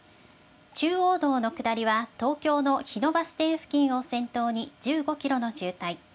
中央道の下りは、東京の日野バス停付近を先頭に１５キロの渋滞。